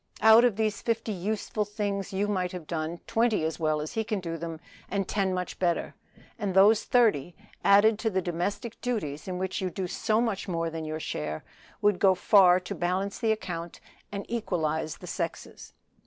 Out of these fifty things you might have done twenty as well as he can do them, and ten much better; and those thirty, added to the domestic duties in which you do so much more than your share, would go far to balance the account and equalize the sexes."